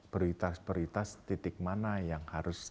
prioritas prioritas titik mana yang harus